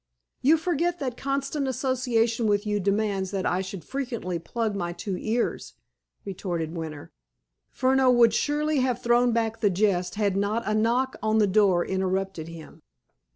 "You forget that constant association with you demands that I should frequently plug my two ears," retorted Winter. Furneaux would surely have thrown back the jest had not a knock on the door interrupted him.